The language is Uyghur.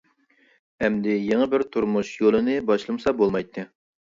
ئەمدى يېڭى بىر تۇرمۇش يولىنى باشلىمىسا بولمايتتى.